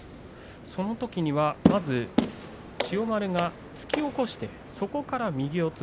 そのときには、まず千代丸の突き起こしでそこから右四つ